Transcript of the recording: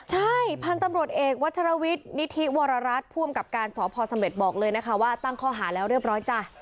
ใช่พันธุ์ตำรวจเอกวัชรวิทย์นิธิวรรัฐผู้อำกับการสพเสม็ดบอกเลยนะคะว่าตั้งข้อหาแล้วเรียบร้อยจ้ะ